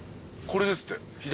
これですって左。